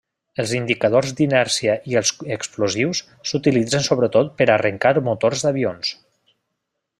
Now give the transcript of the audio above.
Els iniciadors d'inèrcia i els explosius s'utilitzen sobretot per arrencar motors d'avions.